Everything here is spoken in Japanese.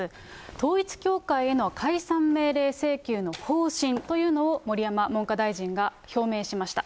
統一教会への解散命令請求の方針というのを盛山文科大臣が表明しました。